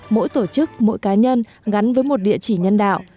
mỗi tổ chức mỗi cá nhân gắn với một địa chỉ nhân đạo